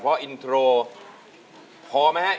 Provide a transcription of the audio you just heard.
เพราะอินโทรพอไหมฮะ